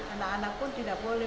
anak anak pun tidak boleh